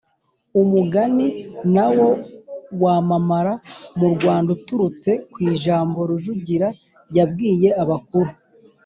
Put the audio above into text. Umugani na wo wamamara mu Rwanda uturutse ku ijambo Rujugira yabwiye abakuru,